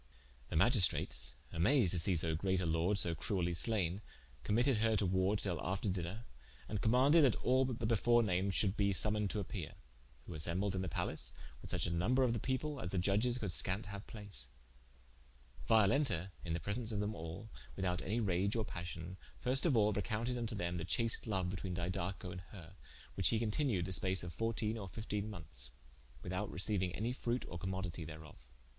The Magistrates amased to see so great a Lorde so cruelly slayne, committed her to warde til after dinner, and commaunded that all the before named should bee summoned to appeare: who assembled in the palace, with such a number of the people, as the iudges could skant haue place: Violenta in the presence of them all, without any rage or passion, first of all recompted vnto them the chast loue betwene Didaco and her, whiche hee continued the space of fourtene or fiftene monethes, without receiuing any fruicte or commoditie thereof.